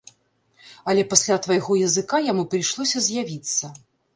Але пасля твайго языка яму прыйшлося з'явіцца.